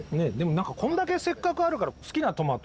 こんだけせっかくあるから好きなトマトをね